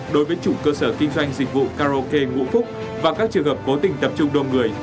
đối với chủ cơ sở kinh doanh dịch vụ karaoke ngũ phúc và các trường hợp cố tình tập trung đông người